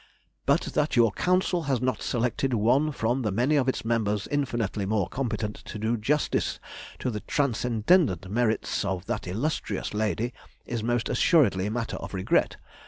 But that your Council has not selected one from the many of its members infinitely more competent to do justice to the transcendent merits of that illustrious lady is most assuredly matter of regret.